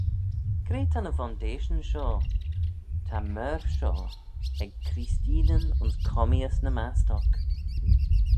Cre ta ny vondeishyn shoh ta myr shoh ec Creesteenyn ayns commeeys ny mast'oc?